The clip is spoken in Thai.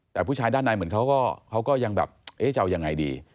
แต่ผู้ชายด้านในเหมือนเขาก็ยังแบบเอ๊ะจะเอายังไงดี